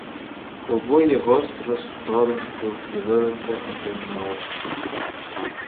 Обоє гостро, сторожко дивилися один на одного.